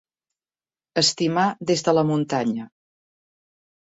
Estimar des de la muntanya.